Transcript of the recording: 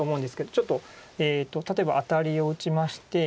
ちょっと例えばアタリを打ちまして。